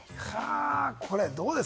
これどうです？